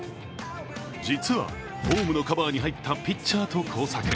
実は、ホームのカバーに入ったピッチャーと交錯。